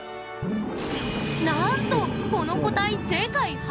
なんとこの個体世界初公開！